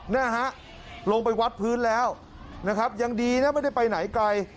นะฮะลงไปวัดพื้นแล้วนะครับยังดีนะไม่ได้ไปไหนไกล